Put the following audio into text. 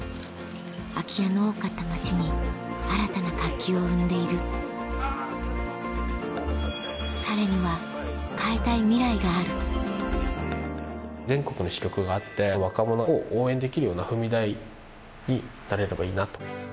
空き家の多かった町に新たな活気を生んでいる彼には変えたいミライがある全国に支局があって若者を応援できるような踏み台になれればいいなと。